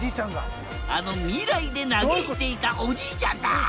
あの未来で嘆いていたおじいちゃんだ。